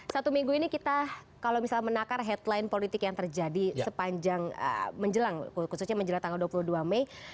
satu minggu ini kita kalau misalnya menakar headline politik yang terjadi sepanjang menjelang khususnya menjelang tanggal dua puluh dua mei